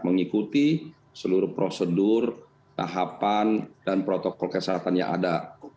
mengikuti seluruh prosedur tahapan dan protokol kesehatan yang ada